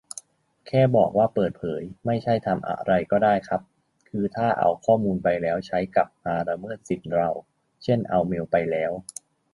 แค่บอกว่าเปิดเผยไม่ใช่ทำอะไรก็ได้ครับ คือถ้าเอาข้อมูลไปแล้วใช้กลับมาละเมิดสิทธิเรา เช่นเอาเมลไปแล้ว